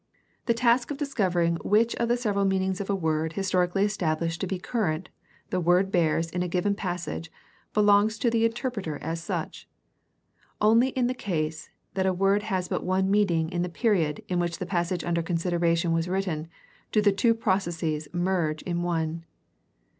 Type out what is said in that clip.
The task of discover ing which of the several meanings of a word historically established to be current the word bears in a given passage belongs to the interpreter as such. Only in the case that a word had but one meaning in the period in which the passage under consideration was written do the two processes merge in one.